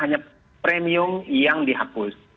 hanya premium yang dihapus